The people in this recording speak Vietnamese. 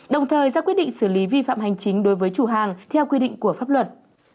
đồng thời ra quyết định xử lý vi phạm hành chính đối với chủ hàng theo quy định của pháp luật